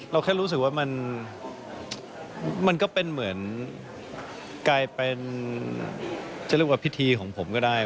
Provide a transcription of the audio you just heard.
แค่รู้สึกว่ามันก็เป็นเหมือนกลายเป็นจะเรียกว่าพิธีของผมก็ได้